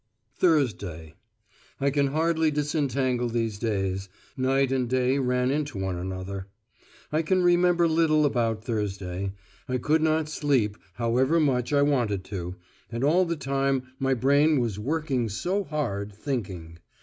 THURSDAY I can hardly disentangle these days; night and day ran into one another. I can remember little about Thursday. I could not sleep however much I wanted to; and all the time my brain was working so hard, thinking.